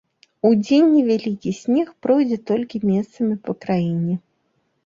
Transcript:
Удзень невялікі снег пройдзе толькі месцамі па краіне.